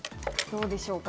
どうでしょうか？